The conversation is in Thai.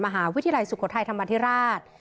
มหาวิทยาลัยสุโขทัยธรรมธิราช